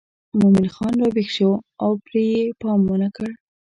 مومن خان راویښ شو او پرې یې پام ونه کړ.